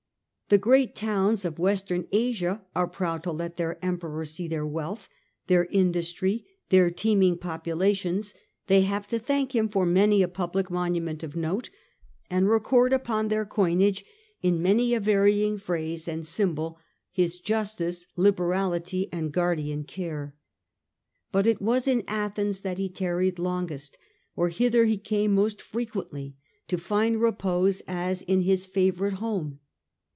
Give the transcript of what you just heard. The great towns of western Asia are proud to let their Emperor see their wealth, Asia their industry, their teeming populations ; they Minor, have to thank him for many a public monument of note, and record upon their coinage in many a varying phrase and symbol his justice, liberality, and guardian care. But it was in Athens that he tarried longest, or hither he came most frequently to find repose as in his favourite home.